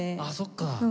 ああそっか。